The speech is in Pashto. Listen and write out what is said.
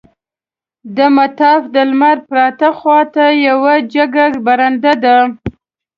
د مطاف د لمر پریواته خوا یوه جګه برنډه ده.